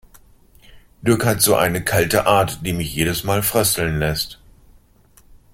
Dirk hat so eine kalte Art, die mich jedes Mal frösteln lässt.